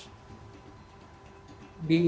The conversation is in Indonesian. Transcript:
di inggris sendiri ya